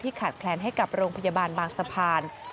ขาดแคลนให้กับโรงพยาบาลบางสะพาน